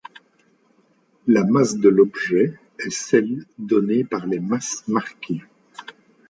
La masse de l'objet est celle donnée par les masses marquées.